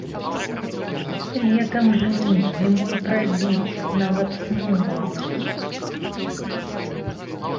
Летам жні, зімою прадзі, нават сну мала.